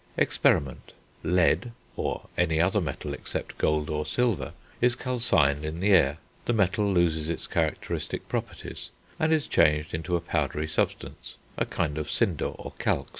Experiment. Lead, or any other metal except gold or silver, is calcined in the air; the metal loses its characteristic properties, and is changed into a powdery substance, a kind of cinder or calx.